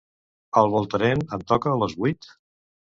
El Voltarén em toca a les vuit?